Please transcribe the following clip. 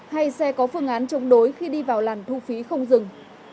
hay xe có phương án chống đối khi đi vào làn thu phí không dừng